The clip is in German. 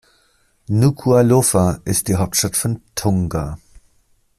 Nukuʻalofa ist die Hauptstadt von Tonga.